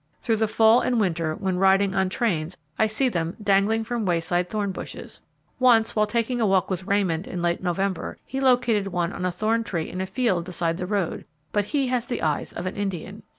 Through the fall and winter, when riding on trains, I see them dangling from wayside thorn bushes. Once, while taking a walk with Raymond in late November, he located one on a thorn tree in a field beside the road, but he has the eyes of an Indian.